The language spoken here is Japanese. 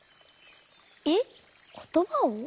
えっことばを？